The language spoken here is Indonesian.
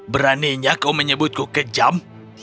beraninya kau menyebutku kejam